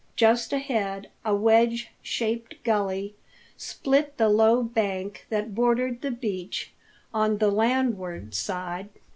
Just ahead, a wedge shaped gully split the low bank that bordered the beach on the landward side.